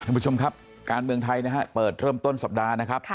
ท่านผู้ชมครับการเมืองไทยนะฮะเปิดเริ่มต้นสัปดาห์นะครับ